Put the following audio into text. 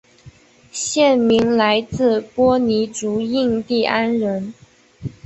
县名来自波尼族印第安人。